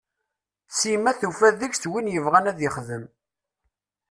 Sima tufa deg-s win yebɣan a yexdem.